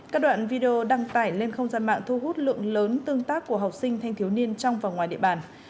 các đoạn video đăng tải lên không gian mạng thu hút lượng lớn tương tác của học sinh thanh thiếu niên trong và ngoài địa bàn